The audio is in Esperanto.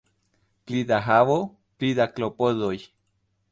Pli da havo, pli da klopodoj.